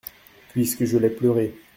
Puisque je l'ai pleuré !